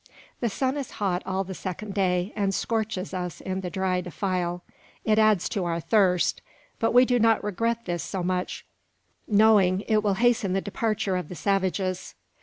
The sun is hot all the second day, and scorches us in the dry defile. It adds to our thirst; but we do not regret, this so much, knowing it will hasten the departure of the savages.